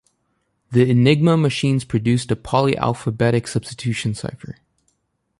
The Enigma machines produced a polyalphabetic substitution cipher.